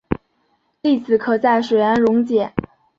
粒子可在水源溶解。